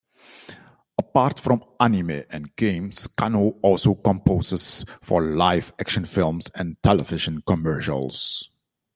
Apart from anime and games, Kanno also composes for live-action films and television commercials.